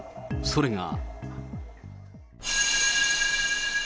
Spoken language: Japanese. それが。